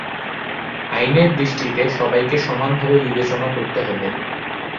আইনের দৃষ্টিতে সবাইকে সমানভাবে বিবেচনা করতে হবে।